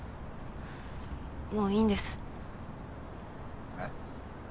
もういいんです。え？